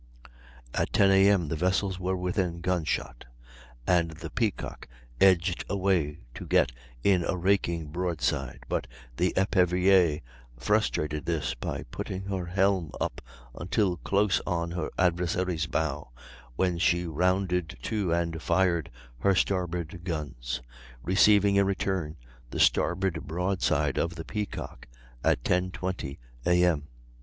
At 10 A.M. the vessels were within gun shot, and the Peacock edged away to get in a raking broadside, but the Epervier frustrated this by putting her helm up until close on her adversary's bow, when she rounded to and fired her starboard guns, receiving in return the starboard broadside of the Peacock at 10.20 A.M.